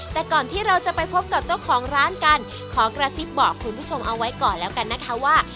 แต่ก่อนที่เราจะไปพบกับเจ้าของร้านกันขอกระซิบบอกคุณผู้ชมเอาไว้ก่อนแล้วกันนะคะว่า